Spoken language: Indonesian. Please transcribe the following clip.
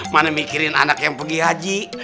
mana mikirin anak yang pergi haji